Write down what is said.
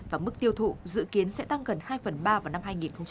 và mức tiêu thụ dự kiến sẽ tăng gần hai phần ba vào năm hai nghìn hai mươi